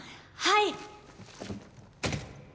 はい。